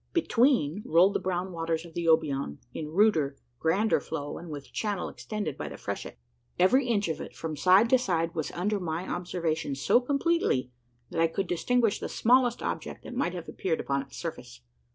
Between rolled the brown waters of the Obion, in ruder, grander flow, and with channel extended by the freshet. Every inch of it, from side to side, was under my observation so completely, that I could distinguish the smallest object that might have appeared upon its surface.